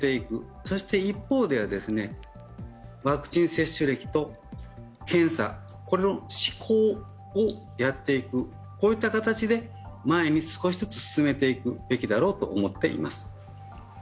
そして一方では、ワクチン接種歴と検査、この施行をやっていく、こういった形で前に少しずつ進めていくべきだろうと思っています。